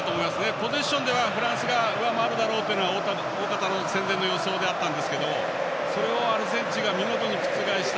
ポゼッションではフランスが上回るというのが戦前の予想でしたがそれをアルゼンチンが見事に覆した。